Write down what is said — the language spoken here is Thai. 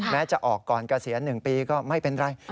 แม้จะออกก่อนเกษียณหนึ่งปีก็ไม่เป็นไร